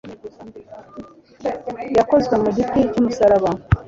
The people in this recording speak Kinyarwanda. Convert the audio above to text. Yakozwe mu giti cy'umusaraba